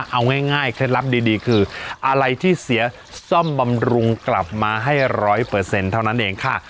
เอาง่ายเคล็ดลับดีคืออะไรที่เสียซ่อมบำรุงกลับมาให้๑๐๐เท่านั้นเองค่ะ